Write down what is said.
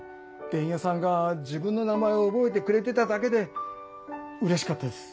伝弥さんが自分の名前を覚えてくれてただけでうれしかったです。